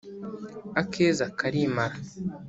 Akeza karimara.